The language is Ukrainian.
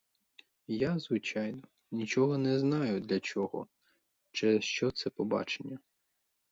Я, звичайно, нічого не знаю для чого, через що це побачення.